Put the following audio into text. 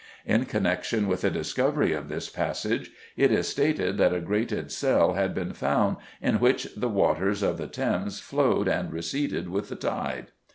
In connection with the discovery of this passage it is stated that a grated cell had been found in which the waters of the Thames flowed and receded with the tide.